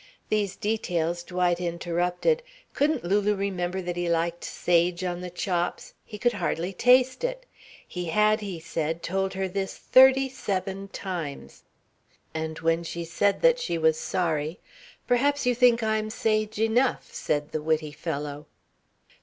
These details Dwight interrupted: Couldn't Lulu remember that he liked sage on the chops? He could hardly taste it. He had, he said, told her this thirty seven times. And when she said that she was sorry, "Perhaps you think I'm sage enough," said the witty fellow.